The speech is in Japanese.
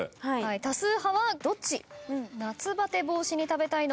多数派はどっち？